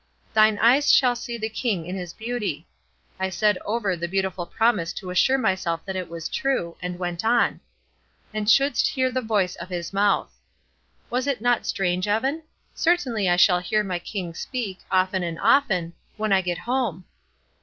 'Thine eyes shall see the King in his beauty.' I said over the beautiful promise to assure myself that it was true, and went on: 'And shouldst hear the voice of his mouth.' Was it not strange, Evan? Certainly I shall hear my King speak, often and often, when I get home.